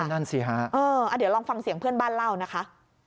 นั่นสิฮะเดี๋ยวลองฟังเสียงเพื่อนบ้านเล่านะคะ